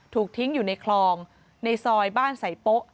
ถูกทิ้งอยู่ในคลองในซอยบ้านใส่โป๊ะ